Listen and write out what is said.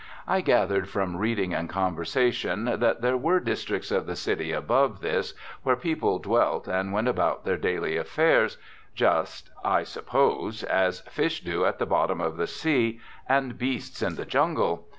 I gathered from reading and conversation that there were districts of the city above this where people dwelt and went about their daily affairs, just, I supposed, as fish do at the bottom of the ocean, and beasts in the jungle.